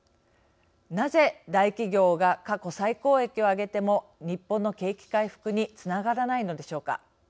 なぜ、大企業が過去最高益を上げても日本の景気回復につながらないのでしょうか。